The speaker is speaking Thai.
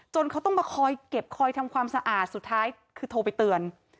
เขาต้องมาคอยเก็บคอยทำความสะอาดสุดท้ายคือโทรไปเตือน